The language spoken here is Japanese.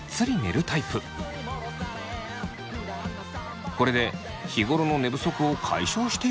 これで日頃の寝不足を解消しているそうです。